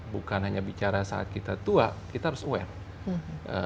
bukan hanya bicara saat kita tua kita harus aware